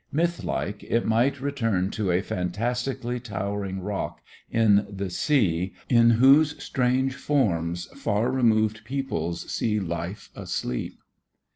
Myth like it might return to a fantastically towering rock in the sea in whose strange forms far removed peoples see life asleep.